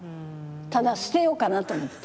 ただ捨てようかなと思った。